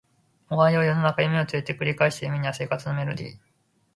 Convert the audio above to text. おはよう世の中夢を連れて繰り返した夢には生活のメロディ